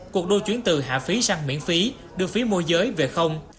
cuộc đua chuyển từ hạ phí sang miễn phí đưa phí môi giới về không